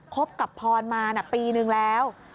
คบกับพรมาปีนึงแล้ว